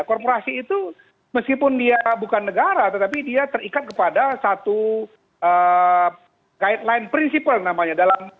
korporasi itu meskipun dia bukan negara tetapi dia terikat kepada satu guideline principle namanya